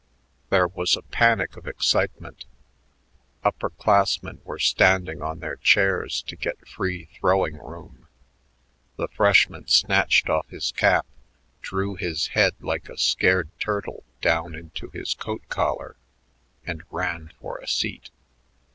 There was a panic of excitement. Upper classmen were standing on their chairs to get free throwing room. The freshman snatched off his cap, drew his head like a scared turtle down into his coat collar, and ran for a seat.